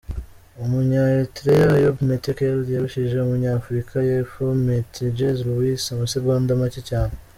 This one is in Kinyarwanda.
Umunya-Eritrea Ayob Metkel yarushije Umunya-Afiruka yEpfo Meintjes Louis amasegonda macye cyane.